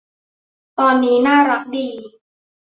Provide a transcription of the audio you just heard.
ตอนนี้ น่ารักดี